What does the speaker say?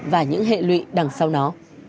và những hệ lụy đằng sau nó